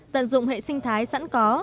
tận dụng hệ sinh thái sẵn có